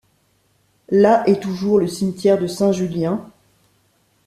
Là est toujours le cimetière de Saint-Julien.